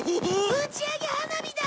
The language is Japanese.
打ち上げ花火だ！